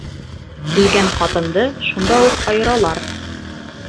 Үлгән ҡатынды шунда уҡ айыралар.